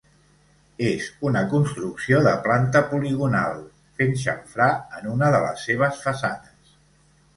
És una construcció de planta poligonal, fent xamfrà en una de les seves façanes.